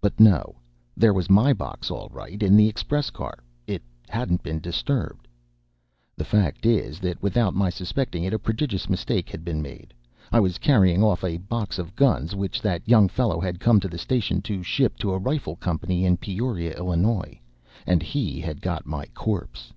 But no there was my box, all right, in the express car; it hadn't been disturbed. [The fact is that without my suspecting it a prodigious mistake had been made. I was carrying off a box of guns which that young fellow had come to the station to ship to a rifle company in Peoria, Illinois, and he had got my corpse!